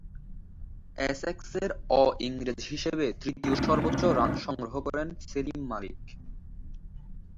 এসেক্সের অ-ইংরেজ হিসেবে তৃতীয় সর্বোচ্চ রান সংগ্রহ করেন সেলিম মালিক।